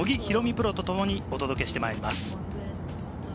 プロとともにお届けしてまいります。